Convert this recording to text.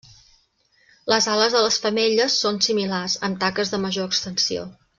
Les ales de les femelles són similars, amb taques de major extensió.